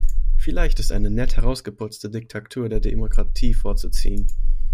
Vielleicht ist eine nett herausgeputzte Diktatur der Demokratie vorzuziehen.